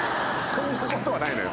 そんなことはないのよ！